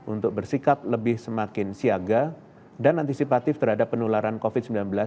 untuk bersikap lebih semakin siaga dan antisipatif terhadap penularan covid sembilan belas